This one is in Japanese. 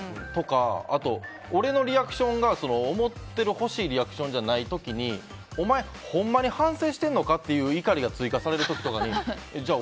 あと、俺のリアクションが思ってる、欲しいリアクションじゃない時にお前、ほんまに反省してんのかっていう怒りが追加される時とかにじゃあ